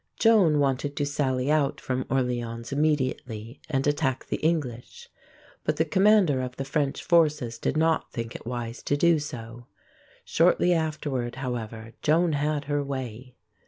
Joan wanted to sally out from Orléans immediately and attack the English; but the commander of the French forces did not think it wise to do so. Shortly afterward, however, Joan had her way.